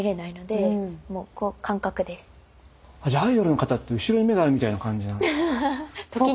じゃあアイドルの方って後ろに目があるみたいな感じなんですか？